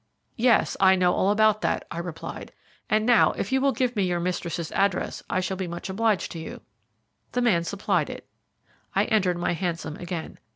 "Yes, I know all about that," I replied "and now, if you will give me your mistress's address, I shall be much obliged to you." The man supplied it. I entered my hansom again.